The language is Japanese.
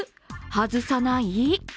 外さない？